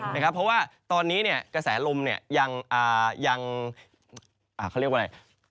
เพราะว่าตอนนี้เนี่ยกระแสลมเนี่ยยังอ่าเขาเรียกว่าอะไร